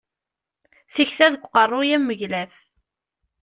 Tikta deg uqerruy am uglaf.